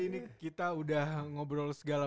ini kita udah ngobrol segala